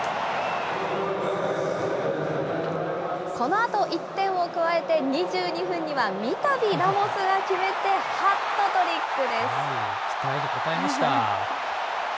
このあと１点を加えて、２２分には三たびラモスが決めて、ハットトリックです。